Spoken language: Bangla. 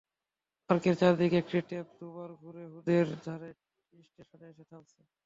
পার্কের চারদিকে একটি ট্রেন দুবার ঘুরে হ্রদের ধারে স্টেশনে এসে থামছে।